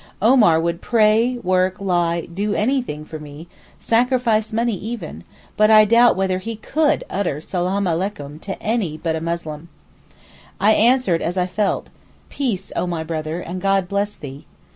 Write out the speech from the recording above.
Omar would pray, work, lie, do anything for me—sacrifice money even; but I doubt whether he could utter Salaam aleykoum to any but a Muslim. I answered as I felt: 'Peace, oh my brother, and God bless thee!